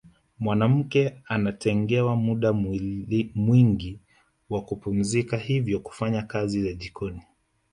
Mwanamke anatengewa muda mwingi wa kupumzika hivyo hufanya kazi za jikoni